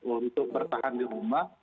untuk bertahan di rumah